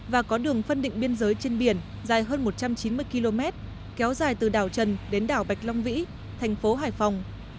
và có đường phân định biên giới trên biển dài hơn một trăm chín mươi km kéo dài từ đảo trần đến đảo bạch long vĩ thành phố hải phòng